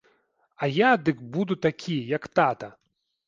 А я дык буду такі, як тата.